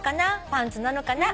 パンツなのかな？」